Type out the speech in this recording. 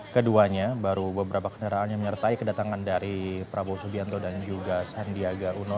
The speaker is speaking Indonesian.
keduanya baru beberapa kendaraan yang menyertai kedatangan dari prabowo subianto dan juga sandiaga uno